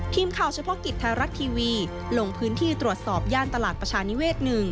ทีมข่าวเฉพาะกิจไทยรัฐทีวีลงพื้นที่ตรวจสอบย่านตลาดประชานิเวศ๑